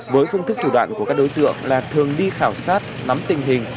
với phương thức thủ đoạn của các đối tượng là thường đi khảo sát nắm tình hình